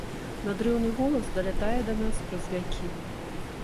Надрыўны голас далятае да нас праз вякі.